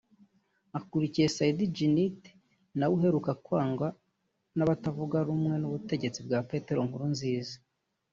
akurikiye Said Djinnit na we uheruka kwangwa n’abatavuga rumwe n’ubutegetsi bwa Petero Nkurunziza